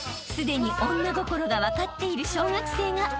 すでに女心が分かっている小学生が］